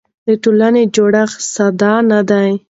د ټولنې جوړښت ساده نه دی.